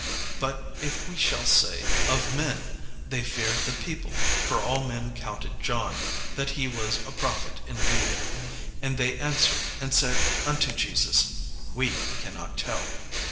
But if we shall say, 'Of men;' they feared the people: for all men counted John, that he was a prophet indeed." And they answered and said unto Jesus, "We cannot tell."